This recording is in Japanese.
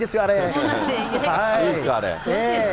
いいんですか、あれ。